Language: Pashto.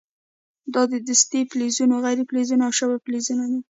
دا دستې فلزونه، غیر فلزونه او شبه فلزونه دي.